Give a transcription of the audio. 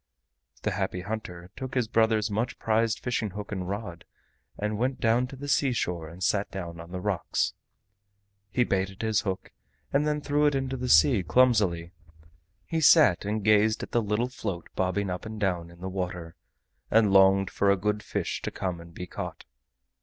The Happy Hunter took his brother's much prized fishing hook and rod and went down to the seashore and sat down on the rocks. He baited his hook and then threw it into the sea clumsily. He sat and gazed at the little float bobbing up and down in the water, and longed for a good fish to come and be caught.